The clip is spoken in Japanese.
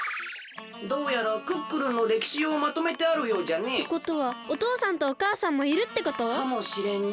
どうやらクックルンのれきしをまとめてあるようじゃね。ってことはおとうさんとおかあさんもいるってこと？かもしれんね。